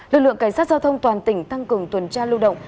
lực lượng cảnh sát giao thông toàn tỉnh tăng cường tuần tra lưu động